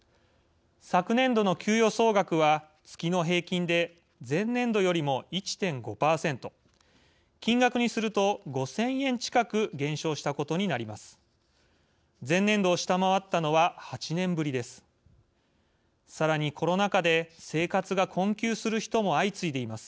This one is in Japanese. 昨年度の給与総額は月の平均で前年度よりも１．５％金額にすると５０００円近く減少したことになります。